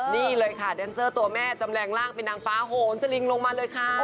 นี่เลยค่ะแดนเซอร์ตัวแม่จำแรงร่างเป็นนางฟ้าโหนสลิงลงมาเลยค่ะ